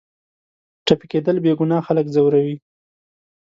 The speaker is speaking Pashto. ټپي کېدل بېګناه خلک ځوروي.